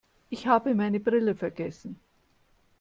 Ich habe meine Brille vergessen.